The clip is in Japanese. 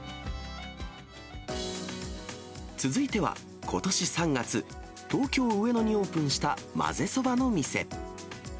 続いては、ことし３月、東京・上野にオープンした混ぜそばの店。